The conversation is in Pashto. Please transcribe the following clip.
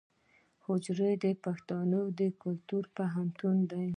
حجره د پښتنو کلتوري پوهنتون دی.